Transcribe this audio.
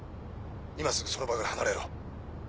今すぐその場から離れろ。